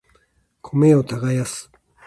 米を耕す